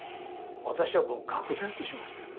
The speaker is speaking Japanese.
私はもう愕然としましたよ。